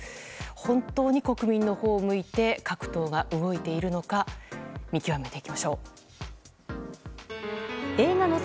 本当に国民のほうを向いて各党が動いているのか忙しくなるほどはい！